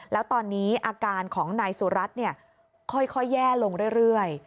แล้วตอนนี้อาการของนายสุรัตน์ค่อยแย่ลงเรื่อย